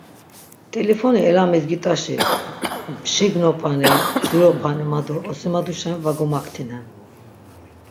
T̆ilifoni elamidgit̆aşi, mşignopani, mdziropani ma do osimaduşen va gomaktinen.